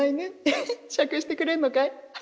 えっ酌してくれるのかい？